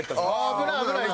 危ない危ない！